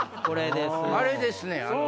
これですよ。